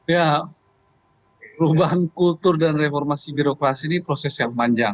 ya perubahan kultur dan reformasi birokrasi ini proses yang panjang